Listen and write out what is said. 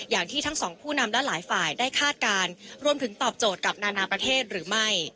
อย่างที่ทั้งสองผู้นำและหลายฝ่ายได้คาดการณ์รวมถึงตอบโจทย์กับนานาประเทศหรือไม่